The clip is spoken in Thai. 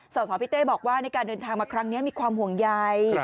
สสพี่เต้บอกว่าในการเดินทางมาครั้งนี้มีความห่วงใย